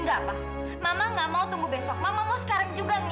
kenapa mama nggak mau tunggu besok mama mau sekarang juga ngeliat di fadil